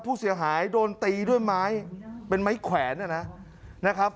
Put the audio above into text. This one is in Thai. ผู้เสียหายโดนตีด้วยไม้เป็นไม้แขวนนะครับ